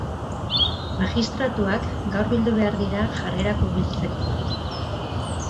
Magistratuak gaur bildu behar dira jarrerak hurbiltzeko.